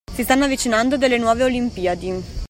Si stanno avvicinando delle nuove Olimpiadi.